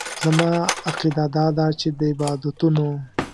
زما عقیده داده چې د عبادتونو.